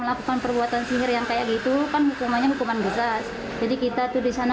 melakukan perbuatan sihir yang kayak gitu kan hukumannya hukuman bekas jadi kita tuh di sana